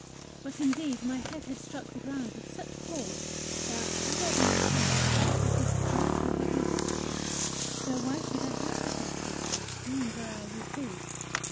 But indeed my head had struck the ground with such force, that, had I been inclined, I could scarcely have resisted though why should I have resisted, being where I would be!